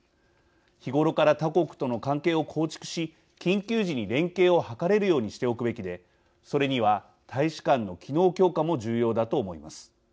日頃から他国との関係を構築し緊急時に連携を図れるようにしておくべきでそれには大使館の機能強化も重要だと思います。